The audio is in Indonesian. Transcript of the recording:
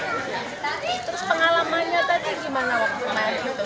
terus pengalamannya tadi gimana waktu main gitu